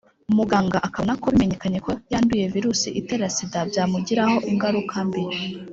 muganga akabona ko bimenyekanye ko yanduye virusi itera sida byamugiraho ingaruka mbi,